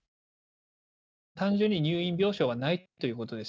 単純に入院病床がないということです。